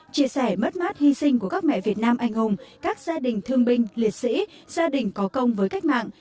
chia sẻ mất mát hy sinh của các mẹ việt nam anh hùng các gia đình thương binh liệt sĩ gia đình có công với cách mạng